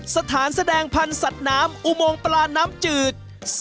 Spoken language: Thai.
สถานแสดงพันธุ์สัตว์น้ำอุโมงปลาน้ำจืด